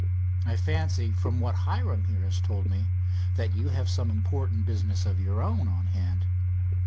I fancy, from what Hiram here has told me, that you have some important business of your own on hand."